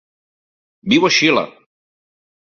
Viu a Xile.